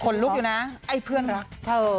คนลุกอยู่นะไอ้เพื่อนรัก